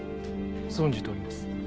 存じております。